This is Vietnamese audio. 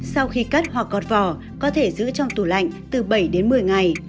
sau khi cắt hoặc gọt vỏ có thể giữ trong tủ lạnh từ bảy đến một mươi ngày